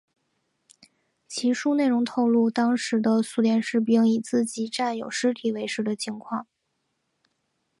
其书内容透露当时的苏联士兵以自己战友尸体为食的情况。